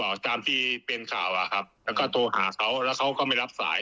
แล้วก็โทรหาเขาแล้วเขาก็ไม่รับสาย